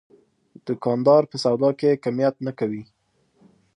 دوکاندار په سودا کې کمیت نه کوي.